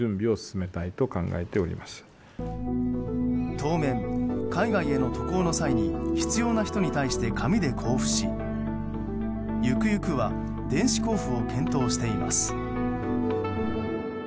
当面、海外への渡航の際に必要な人に対して紙で交付し、ゆくゆくは電子交付を検討しています。